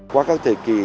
qua các thời kỳ